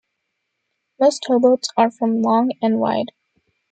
Most towboats are from long, and wide.